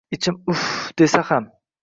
Ichim uff desa ham.